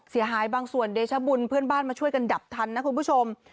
เสียหายบางส่วนเดชบุญเพื่อนบ้านมาช่วยกันดับทันนะคุณผู้ชม